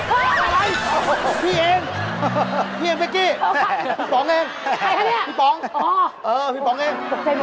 อะไรพี่เองพี่เองเบ็กกี้พี่ป๋องเองพี่ป๋องอ๋อพี่ป๋องเอง